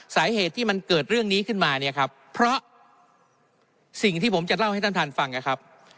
สาเหตุที่มันเกิดเรื่องนี้ขึ้นมาเนี่ยครับเพราะสิ่งที่ผมจะเล่าให้ท่านท่านฟังนะครับ